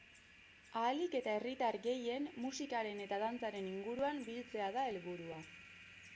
Ahalik eta herritar gehien musikaren eta dantzaren inguruan biltzea da helburua.